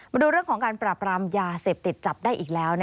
มาดูเรื่องของการปราบรามยาเสพติดจับได้อีกแล้ว